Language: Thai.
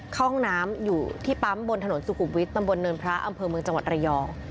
ห้องน้ำอยู่ที่ปั๊มบนถนนสุขุมวิทย์ตำบลเนินพระอำเภอเมืองจังหวัดระยอง